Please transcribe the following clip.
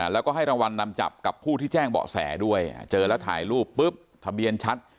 แล้วก็ให้รางวัลนำจับกับผู้ที่แจ้งเบาะแสด้วยเจอแล้วถ่ายรูปปุ๊บทะเบียนชัด